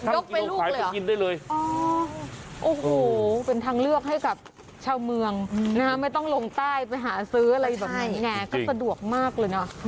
ลูกขายไปกินได้เลยโอ้โหเป็นทางเลือกให้กับชาวเมืองนะฮะไม่ต้องลงใต้ไปหาซื้ออะไรแบบนี้ไงก็สะดวกมากเลยเนอะ